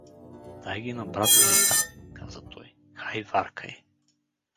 — Дай ги на брата ми там — каза той, — хай варкай!